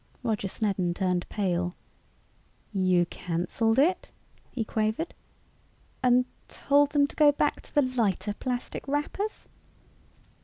Roger Snedden turned pale. "You canceled it?" he quavered. "And told them to go back to the lighter plastic wrappers?"